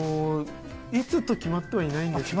いつと決まってはいないんですけれども。